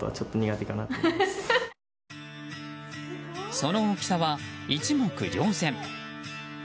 その大きさは一目瞭然。